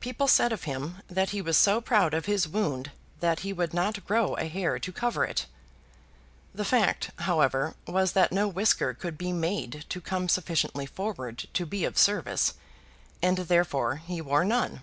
People said of him that he was so proud of his wound that he would not grow a hair to cover it. The fact, however, was that no whisker could be made to come sufficiently forward to be of service, and therefore he wore none.